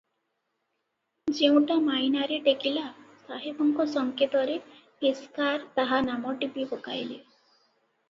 ଯେଉଁଟା ମାଇନାରେ ଟେକିଲା, ସାହେବଙ୍କ ସଙ୍କେତରେ ପେସ୍କାର ତାହା ନାମ ଟିପି ପକାଇଲେ ।